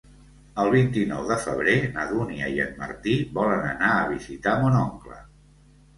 El vint-i-nou de febrer na Dúnia i en Martí volen anar a visitar mon oncle.